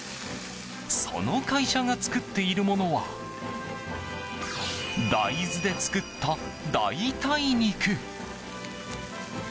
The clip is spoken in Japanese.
その会社が作っているものは大豆で作った代替肉。